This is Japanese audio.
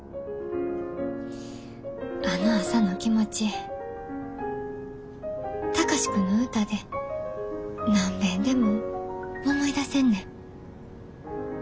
あの朝の気持ち貴司君の歌で何べんでも思い出せんねん。